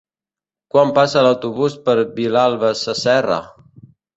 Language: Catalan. Quan passa l'autobús per Vilalba Sasserra?